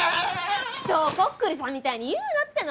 人をコックリさんみたいに言うなっての。